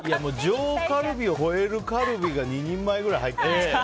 上カルビを超えるカルビが２人前ぐらい入ってるんですよ。